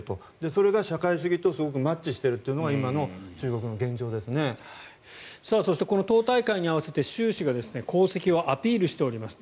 それが社会主義とマッチしているのがこの党大会に合わせて習氏が功績をアピールしています。